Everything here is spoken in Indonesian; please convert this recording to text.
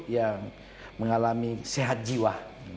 yang mengalami sehat jiwa